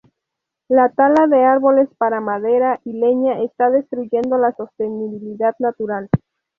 La tala de árboles para madera y leña está destruyendo la sostenibilidad natural.